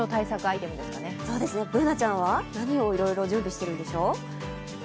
Ｂｏｏｎａちゃんは何をいろいろ準備しているんでしょう？